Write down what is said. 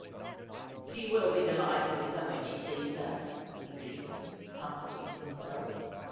' She will be delighted with her when she sees her,' he rea soned, comforting himself.